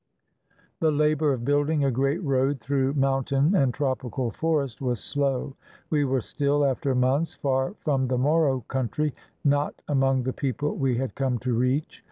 The labor of building a great road through mountain and tropical forest was slow. We were still, after months, far from the Moro country, not among the people we had come to reach.